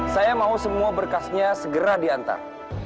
saya mau semua berkasnya segera diantar